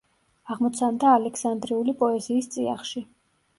აღმოცენდა ალექსანდრიული პოეზიის წიაღში.